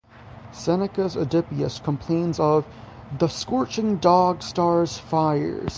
Seneca's Oedipus complains of "the scorching dog-star's fires".